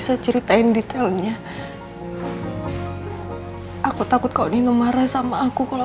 escri gwk pom menta take away nwelang minta perhatikan lupa di like dan share like parentt analog